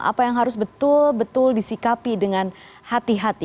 apa yang harus betul betul disikapi dengan hati hati